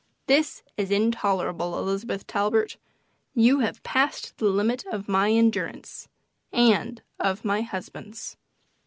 This is intolerable, Elizabeth Talbert. You have passed the limit of my endurance and of my husband's."